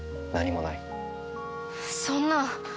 そんな。